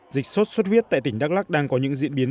dịch sốt xuất huyết tại tỉnh đắk lắc đang có những diễn biến